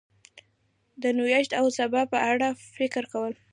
د نوښت او سبا په اړه فکر کول